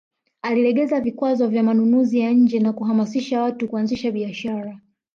Alilegeza vikwazo vya manunuzi ya nje na kuhamasisha watu kuanzisha biashara